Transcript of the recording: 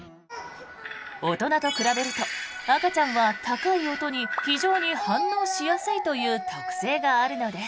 大人と比べると赤ちゃんは高い音に非常に反応しやすいという特性があるのです。